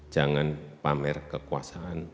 jangan pamer kekuasaan